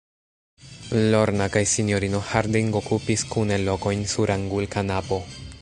Lorna kaj sinjorino Harding okupis kune lokojn sur angulkanapo.